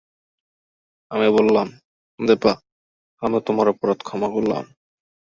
আমি বললাম, দিপা, আমি তোমার অপরাধ ক্ষমা করলাম!